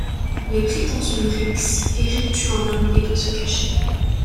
Mais pris dans une rixe, Éric tue un homme et doit se cacher.